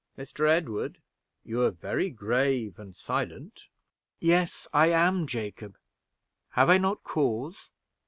Mr. Edward, you are very grave and silent." "Yes, I am, Jacob. Have I not cause?